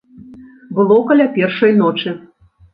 Было каля першай ночы.